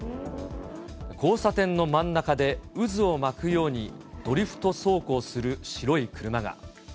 交差点の真ん中で、渦を巻くようにドリフト走行する白い車が。